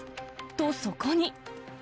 と、そこに。